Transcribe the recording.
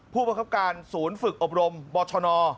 ผู้บังคับการศูนย์ฝึกอบรมบชน